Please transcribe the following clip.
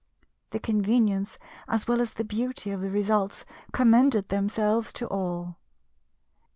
The convenience as well as the beauty of the results commended themselves to all.